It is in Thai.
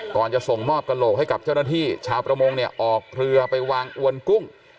จะส่งมอบกระโหลกให้กับเจ้าหน้าที่ชาวประมงเนี่ยออกเรือไปวางอวนกุ้ง